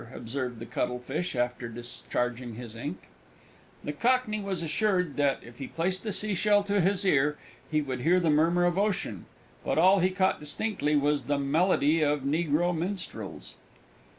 observed the Cuttlefish, after discharging his ink. The Cockney was assured that, if he placed the Sea shell to his ear, he would hear the murmur of Ocean. But all he caught distinctly was the melody of negro minstrels.